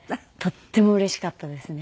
とってもうれしかったですね。